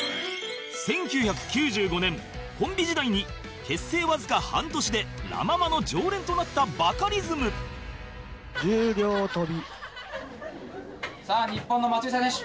１９９５年コンビ時代に結成わずか半年でラ・ママの常連となったバカリズムさあ日本の松下選手。